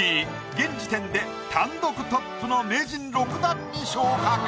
現時点で単独トップの名人６段に昇格！